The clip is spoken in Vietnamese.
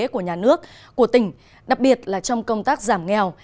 của nhà nước của tỉnh đặc biệt là trong công tác giảm nghèo